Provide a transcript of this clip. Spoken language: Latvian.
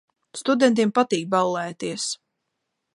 Studentiem patīk ballēties.